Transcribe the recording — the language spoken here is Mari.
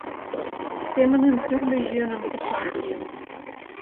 Семынем тӱрлӧ йӧным кычал кием.